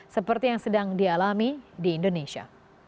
seperti yang sedang dialami di indonesia